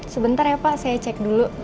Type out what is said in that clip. sebentar ya pak saya cek dulu